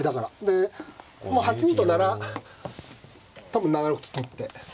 で８二となら多分７六取って。